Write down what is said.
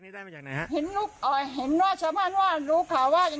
ได้มาจากไหนฮะเห็นลูกอ่าเห็นว่าชะมัดว่าลูกข่าวว่า